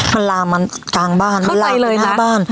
มันลามันกลางบ้านลามไปห้างบ้าน